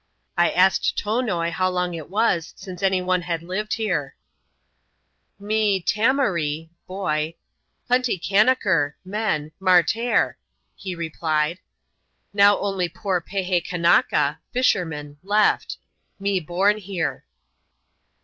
I asked Tonoi how long it was since any one had lived here. " Me, tammaree (boy) — plenty kannaker (men) Martair," he replied. " Now, only i^oot pehe kannaka (fishermen) left — me born here.